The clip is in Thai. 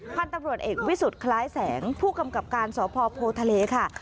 พันธุ์ตำรวจเอกวิสุทธิ์คล้ายแสงผู้กำกับการสพโพทะเลค่ะ